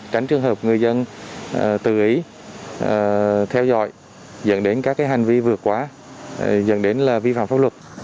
tránh trường hợp người dân tự ý theo dõi dẫn đến các hành vi vượt quá dẫn đến là vi phạm pháp luật